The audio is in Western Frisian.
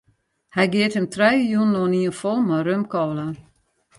Hy geat him trije jûnen oanien fol mei rum-kola.